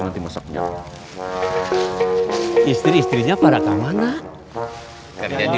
nanti aku balik lagi